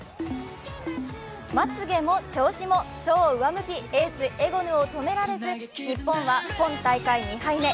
まつげも調子も超上向き、エース・エゴヌを止められず、日本は今大会２敗目。